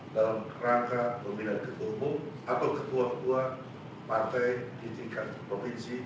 dalam rangka pemilihan ketua umum atau ketua ketua partai di tingkat provinsi